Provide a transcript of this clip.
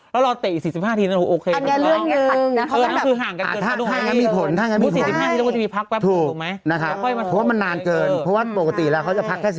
แล้วรอเตะอีก๔๕ทีโอเค